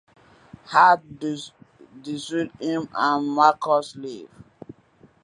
Art dissuades him and Marcos leaves.